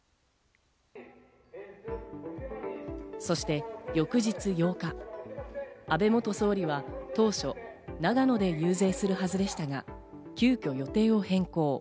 そして翌日８日、安倍元総理は当初、長野で遊説するはずでしたが、急遽予定を変更。